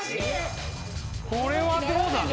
これはどうなの？